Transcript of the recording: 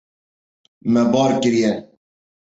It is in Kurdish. Me bar kiriye.